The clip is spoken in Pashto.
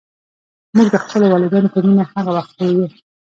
موږ د خپلو والدینو په مینه هغه وخت پوهېږو.